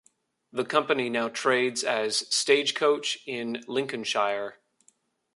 The company now trades as Stagecoach in Lincolnshire.